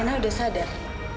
alena udah sadar